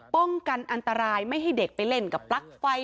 ป้องกันอันตรายไม่ให้เด็กไปเล่นกับปลั๊กไฟ